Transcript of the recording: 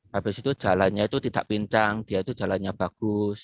habis itu jalannya itu tidak pincang dia itu jalannya bagus